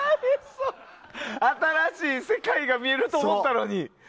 新しい世界が見れると思ったのに。